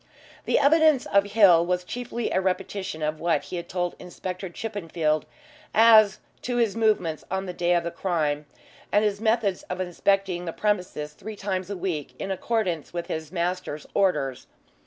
The evidence of Hill was chiefly a repetition of what he had told Inspector Chippenfield as to his movements on the day of the crime, and his methods of inspecting the premises three times a week in accordance with his master's orders.